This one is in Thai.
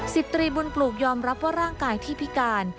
ตรีบุญปลูกยอมรับว่าร่างกายที่พิการ